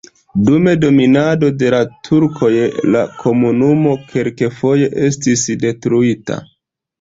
Dum dominado de la turkoj la komunumo kelkfoje estis detruita.